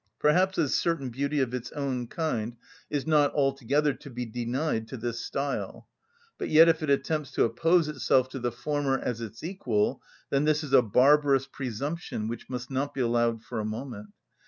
Perhaps a certain beauty of its own kind is not altogether to be denied to this style, but yet if it attempts to oppose itself to the former as its equal, then this is a barbarous presumption which must not be allowed for a moment.